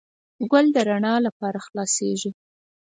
ګل د رڼا لپاره خلاصیږي.